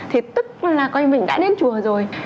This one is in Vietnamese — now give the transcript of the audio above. thì tức là coi mình đã đến chùa rồi